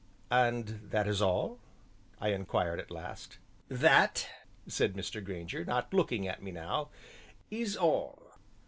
"And that is all?" I inquired at last. "That," said Mr. Grainger, not looking at me now, "is all."